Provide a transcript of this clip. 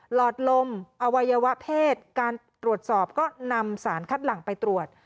หลอดลมอวัยวะเพศการตรวจสอบก็นำสารคัดหลังไปตรวจ